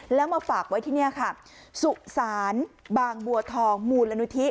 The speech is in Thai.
แล้วมาฝากไว้ที่นี่ค่ะสุสานบางบัวทองมูลนิธิ